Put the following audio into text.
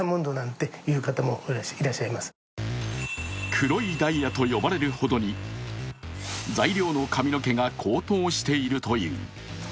黒いダイヤと呼ばれるほどに材料の髪の毛が高騰しているという。